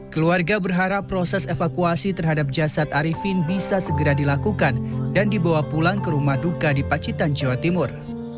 keluarga berharap proses evakuasi terhadap jasad arifin bisa segera dilakukan dan dibawa pulang ke rumah duka di pacitan jawa timur